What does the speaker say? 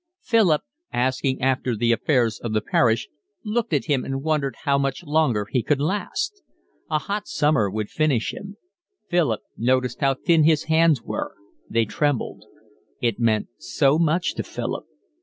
Philip, asking after the affairs of the parish, looked at him and wondered how much longer he could last. A hot summer would finish him; Philip noticed how thin his hands were; they trembled. It meant so much to Philip.